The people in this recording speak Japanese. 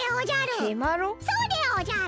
そうでおじゃる。